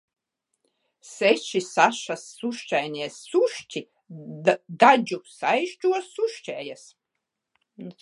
Seši sašas sušķainie sušķi dadžu saišķos sušķējas.